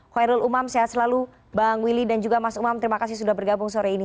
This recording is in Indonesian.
khoirul umam sehat selalu bang willy dan juga mas umam terima kasih sudah bergabung sore ini